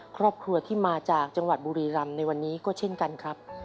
ครอบครัวที่มาจากจังหวัดบุรีรำในวันนี้ก็เช่นกันครับ